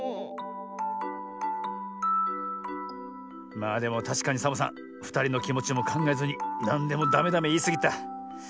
まあでもたしかにサボさんふたりのきもちもかんがえずになんでもダメダメいいすぎた。